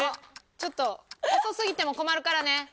ちょっと遅すぎても困るからね。